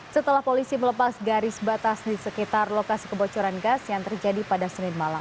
setelah polisi melepas garis batas di sekitar lokasi kebocoran gas yang terjadi pada senin malam